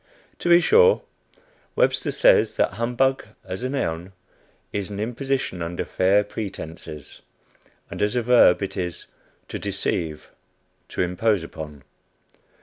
To be sure, Webster says that humbug, as a noun, is an "imposition under fair pretences;" and as a verb, it is "to deceive; to impose on."